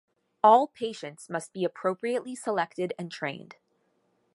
All patients must be appropriately selected and trained.